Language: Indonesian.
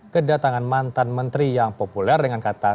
kedatangan mantan menteri yang populer dengan kata